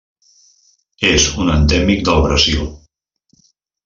És un endèmic del Brasil.